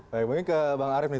baik mungkin ke bang arief nih